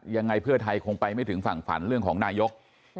ยังไงเพื่อไทยคงไปไม่ถึงฝั่งฝันเรื่องของนายก